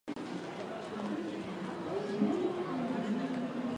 きゃー大変！